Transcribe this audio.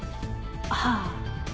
はあ。